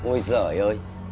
ôi giời ơi